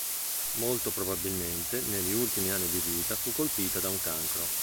Molto probabilmente negli ultimi anni di vita fu colpita da un cancro.